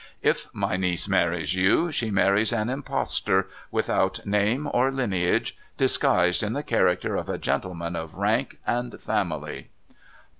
If my niece marries you, she marries an impostor, without name or lineage, disguised in the character of a gentleman of rank and family.'